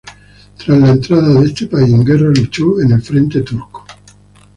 Tras la entrada de este país en guerra luchó en el frente turco.